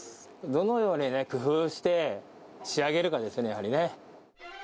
どのように工夫して、仕上げるかですね、やはりね。